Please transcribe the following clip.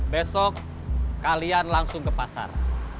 besok kalian langsung ke pasar